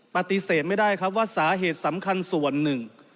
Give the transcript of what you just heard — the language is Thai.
ปฏิเสธไม่ได้ครับว่าสาเหตุสำคัญส่วนหนึ่ง